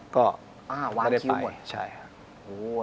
ก็ไม่ได้ไปใช่ครับอ่าววางคิ้วหมด